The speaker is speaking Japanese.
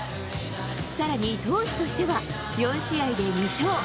さらに、投手としては、４試合で２勝。